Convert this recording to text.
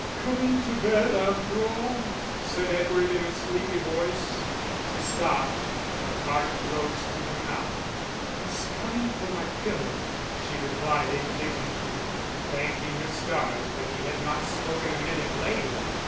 "Coming to bed after all?" said Edward, in a sleepy voice. She stopped, and her heart rose to her mouth. "I was coming for my pillow," she replied indignantly, thanking her stars that he had not spoken a minute later.